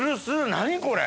何これ！